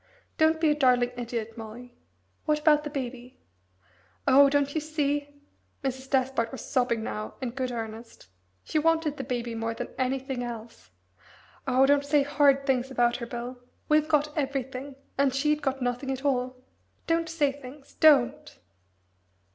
"Don't be a darling idiot, Molly. What about the Baby?" "Oh don't you see?" Mrs. Despard was sobbing now in good earnest. "She wanted the Baby more than anything else. Oh don't say horrid things about her, Bill! We've got everything and she'd got nothing at all don't say things don't!"